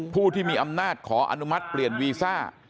ผู้ที่มีอำนาจขออนุมัติเปลี่ยนวีซ่า